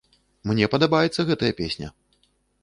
Мне падабаецца гэтая песня!